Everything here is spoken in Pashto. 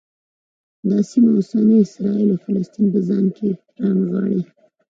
دا سیمه اوسني اسرایل او فلسطین په ځان کې رانغاړي.